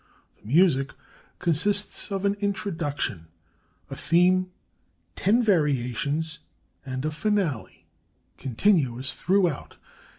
The music consists of an Introduction, a Theme, ten variations, and a Finale, continuous throughout.